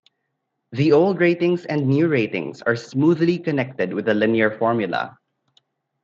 The old ratings and new ratings are smoothly connected with a linear formula.